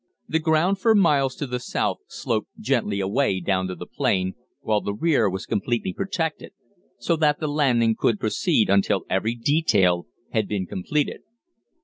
The ground for miles to the south sloped gently away down to the plain, while the rear was completely protected, so that the landing could proceed until every detail had been completed.